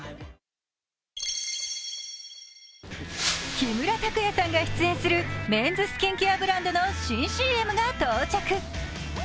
木村拓哉さんが出演するメンズスキンケアブランドの新ＣＭが到着。